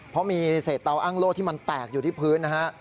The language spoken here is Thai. เพราะมีเศษเตาอ้างโล่ที่มันแตกอยู่ที่พื้นนะฮะ